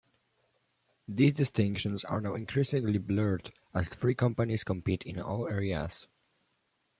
These distinctions are now increasingly blurred as the three companies compete in all areas.